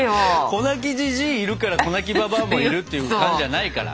子泣きじじいいるから子泣きばばあもいるっていう感じじゃないから。